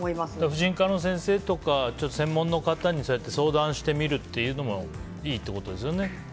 婦人科の先生とか専門の方に相談してみるというのもいいってことですよね。